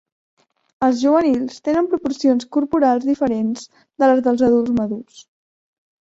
Els juvenils tenen proporcions corporals diferents de les dels adults madurs.